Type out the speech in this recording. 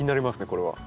これは。